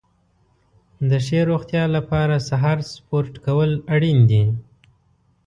د ښې روغتیا لپاره سهار سپورت کول اړین دي.